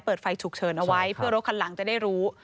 เปิดไฟฉุกเฉินเอาไว้เพื่อรถคันหลังจะได้รู้